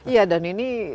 ya dan ini